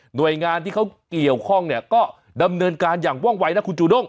หน่วยงานที่เขาเกี่ยวข้องเนี่ยก็ดำเนินการอย่างว่องวัยนะคุณจูด้ง